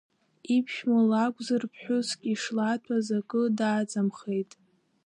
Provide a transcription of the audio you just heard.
Иԥшәма лакәзар, ԥҳәыск ишлаҭәаз акы даҵамхеит.